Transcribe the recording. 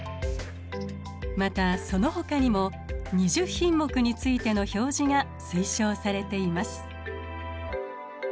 またそのほかにも２０品目についての表示が推奨されています。